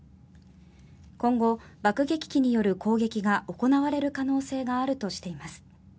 今後、爆撃機による攻撃が行われる可能性があるとしています。